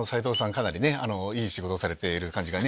かなりいい仕事されている感じがね。